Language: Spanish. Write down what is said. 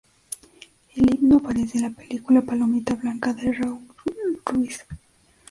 El himno aparece en la película Palomita blanca de Raúl Ruiz.